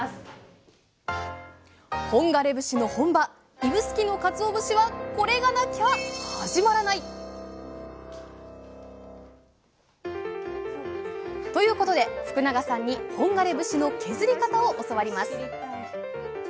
本枯節の本場指宿のかつお節はこれがなきゃ始まらない！ということで福永さんに本枯節の削り方を教わります！